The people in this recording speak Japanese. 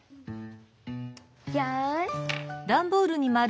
よし。